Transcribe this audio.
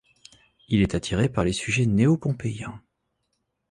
Il est attiré par les sujets Néo-Pompéien.